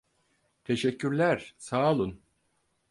Teşekkürler, sağ olun.